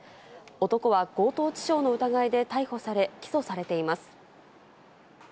男は強盗致傷の疑いで逮捕され、起訴されています。